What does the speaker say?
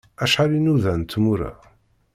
Acḥal i nnuda n tmura!